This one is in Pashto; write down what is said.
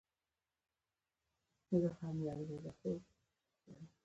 په اخلاقي لحاظ مې داسې وښودل چې زه په هغه ناانصافیو خبر یم.